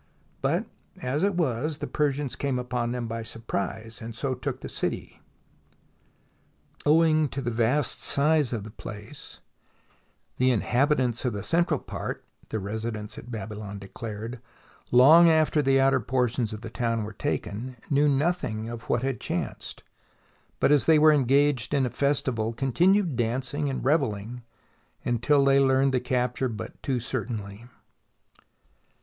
But, as it was, the Persians came upon them by sur prise, and so took the city. Owing to the vast size of the place, the inhabitants of the central part (as the residents at Babylon declared), long after the outer portions of the town were taken, knew nothing of what had chanced; but as they were engaged in a festival, continued dancing and revelling until they learned the capture but too certainly."